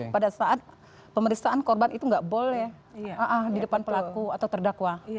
pada saat pemeriksaan korban itu nggak boleh di depan pelaku atau terdakwa